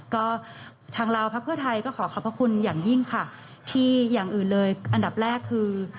ก็ทางลาวพักเพื่อไทยก็ขอขอบพระคุณอย่างยิ่งค่ะที่อย่างอื่นเลยอันดับแรกคือ